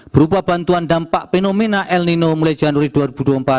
berupa bantuan dampak fenomena el nino mulai januari dua ribu dua puluh empat